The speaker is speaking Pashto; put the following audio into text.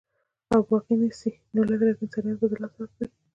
او باغي نسي نو لږ، لږ انسانيت به د لاسه ورکړي